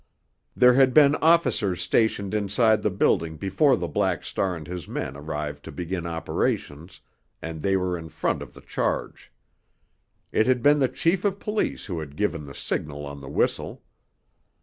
There had been officers stationed inside the building before the Black Star and his men arrived to begin operations, and they were in the front of the charge. It had been the chief of police who had given the signal on the whistle.